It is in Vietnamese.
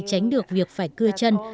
tránh được việc phải cưa chân